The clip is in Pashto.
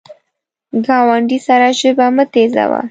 ګاونډي سره ژبه مه تیزوه